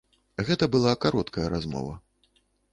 Гэта была кароткая размова.